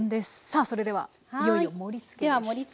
さあそれではいよいよ盛りつけです。